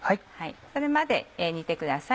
それまで煮てください。